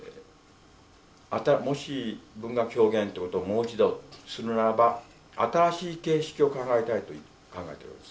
もし文学表現ということをもう一度するならば新しい形式を考えたいと考えているわけです。